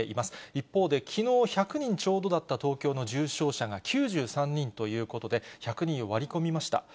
一方で、きのう１００人ちょうどだった東京の重症者が９３人ということで、１００人を割り込みました。